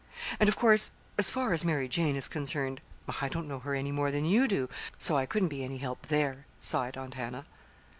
"And, of course, as far as Mary Jane is concerned, I don't know her any more than you do; so I couldn't be any help there," sighed Aunt Hannah.